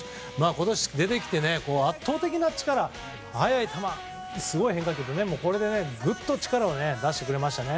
今年出てきて圧倒的な力、速い球とすごい変化球でぐっと力を出してくれましたね。